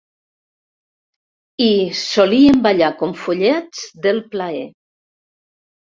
I solien ballar com follets del plaer.